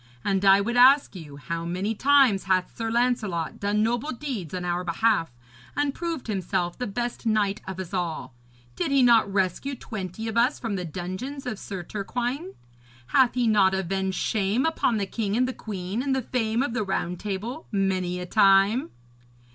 And I would ask you, how many times hath Sir Lancelot done noble deeds on our behalf and proved himself the best knight of us all? Did he not rescue twenty of us from the dungeons of Sir Turquine? Hath he not avenged shame upon the king and the queen, and the fame of the Round Table many a time?